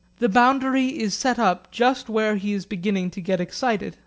The boundary is set up just where he is beginning to get excited.